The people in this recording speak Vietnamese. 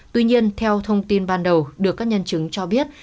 tuy nhiên theo thông tin ban đầu được các nhân chứng cho biết